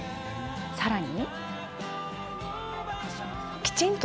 さらに。